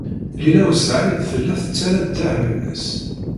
Lila u Saɛid tella tettarra ddehn-nnes.